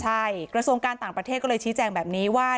ใช่กระทรวงการต่างประเทศก็เลยชี้แจงแบบนี้ว่า